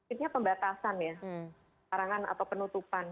ini pembatasan ya larangan atau penutupan